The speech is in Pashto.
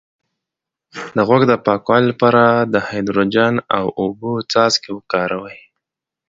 د غوږ د پاکوالي لپاره د هایدروجن او اوبو څاڅکي وکاروئ